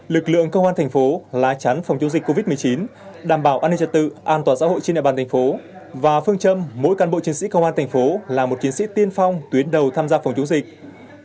lực lượng công an tp lái chắn phòng chống dịch covid một mươi chín đảm bảo an ninh trật tự an toàn xã hội trên địa bàn tp và phương châm mỗi cán bộ chiến sĩ công an tp là một chiến sĩ tiên phong tuyến đầu tham gia phòng chống dịch